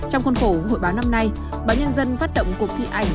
hôm nay báo nhân dân phát động cuộc thi ảnh